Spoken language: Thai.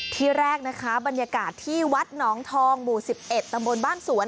ที่แรกนะคะบรรยากาศที่วัดหนองทองหมู่๑๑ตำบลบ้านสวน